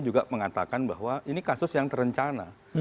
juga mengatakan bahwa ini kasus yang terencana